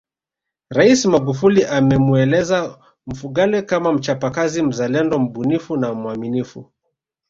Rais Magufuli amemueleza Mfugale kama mchapakazi mzalendo mbunifu na mwaminifu